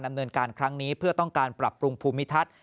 เนินการครั้งนี้เพื่อต้องการปรับปรุงภูมิทัศน์